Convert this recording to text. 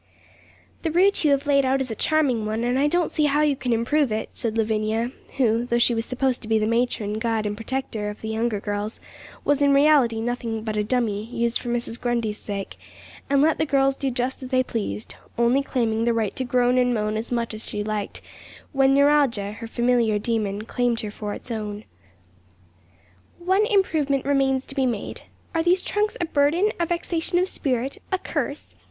'The route you have laid out is a charming one, and I don't see how you can improve it,' said Lavinia, who, though she was supposed to be the matron, guide, and protector of the younger girls, was in reality nothing but a dummy, used for Mrs. Grundy's sake, and let the girls do just as they pleased, only claiming the right to groan and moan as much as she liked when neuralgia, her familiar demon, claimed her for its own. 'One improvement remains to be made. Are these trunks a burden, a vexation of spirit, a curse?'